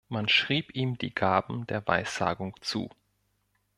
Man schrieb ihm die Gaben der Weissagung zu.